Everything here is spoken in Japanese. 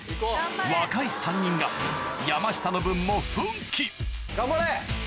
若い３人が山下の分も・頑張れ！